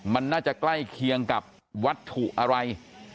มันน่าจะใกล้เคียงกับวัตถุอะไร